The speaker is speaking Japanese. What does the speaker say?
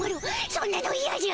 そんなのいやじゃ。